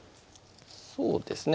そうですね。